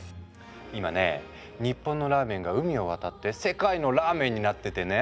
今ね日本のラーメンが海を渡って「世界のＲＡＭＥＮ」になっててね。